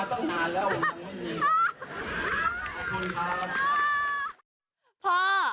พ่ออย่างไรนะพ่อ